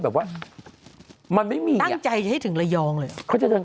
ก็มันก็ไปบางแสนจะถึงบางแสน